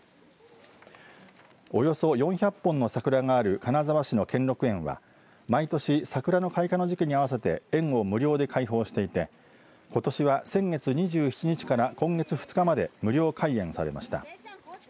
およそ４００本の桜がある金沢市の兼六園は毎年、桜の開花の時期に合わせて園を無料で開放していてことしは先月２７日から今月２日まで無料開園されました。